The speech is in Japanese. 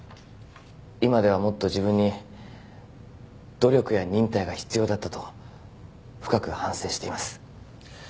今ではもっと自分に努力や忍耐が必要だったと深く反省しています。